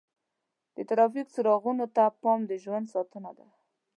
د ټرافیک څراغونو ته پام د ژوند ساتنه ده.